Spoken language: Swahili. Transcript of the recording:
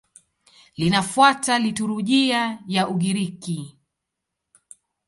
Linafuata liturujia ya Ugiriki.